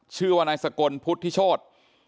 ชื่อว่านายสกลพุทธิโชธ